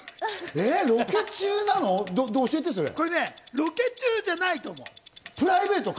ロケ中ではないと思う。